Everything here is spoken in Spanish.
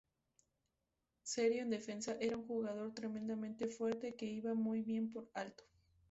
Serio en defensa, era un jugador tremendamente fuerte que iba muy bien por alto.